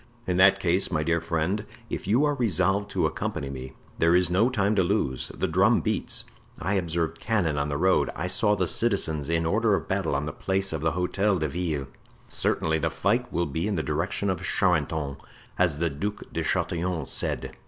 "In that case, my dear friend, if you are resolved to accompany me there is no time to lose; the drum beats; I observed cannon on the road; I saw the citizens in order of battle on the Place of the Hotel de Ville; certainly the fight will be in the direction of Charenton, as the Duc de Chatillon said."